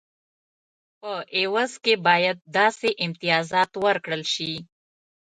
په عوض کې باید داسې امتیازات ورکړل شي.